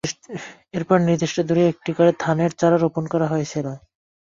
এরপর নির্দিষ্ট দূরে মাত্র একটি করে ধানের চারা রোপণ করা হয়েছিল।